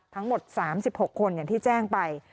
ทั้งหมด๓๖คนอย่างที่แจ้งไป